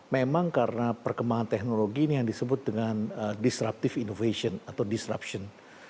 memang karena perkembangan teknologi ini yang disebut dengan disruptive innovation atau disruption